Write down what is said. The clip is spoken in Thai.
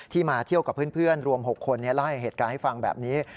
มาเที่ยวกับเพื่อนรวม๖คนเล่าเหตุการณ์ให้ฟังแบบนี้